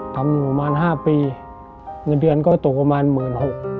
ทำงานออกมา๕ปีเงินเดือนก็ตกประมาณ๑๖๐๐๐บาท